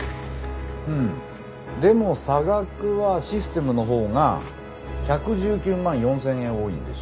うんでも差額はシステムの方が１１９万４，０００円多いんでしょ？